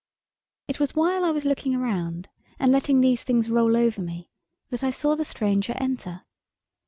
It was while I was looking around, and letting these things roll over me, that I saw the stranger enter.